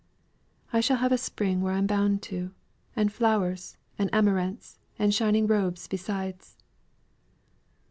"I shall have a spring where I am boun' to, and flowers, and amaranths, and shining robes besides."